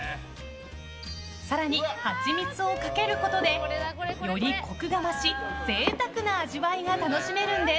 更に、蜂蜜をかけることでよりコクが増し贅沢な味わいが楽しめるんです。